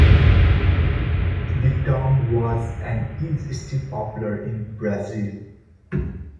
The term was and is still popular in Brazil.